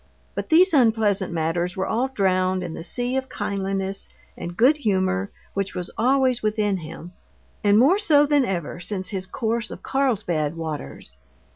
But these unpleasant matters were all drowned in the sea of kindliness and good humor which was always within him, and more so than ever since his course of Carlsbad waters.